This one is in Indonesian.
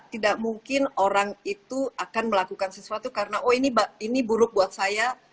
tidak mungkin orang itu akan melakukan sesuatu karena oh ini buruk buat saya